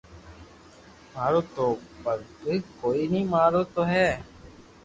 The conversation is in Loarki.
مارو تو ڀاگ ڪوئي ني مارو تو ھي